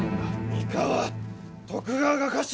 三河徳川が家臣！